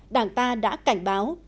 đảng ta đã cảnh báo